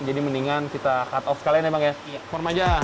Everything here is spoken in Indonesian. jadi mendingan kita cut off sekalian ya bang ya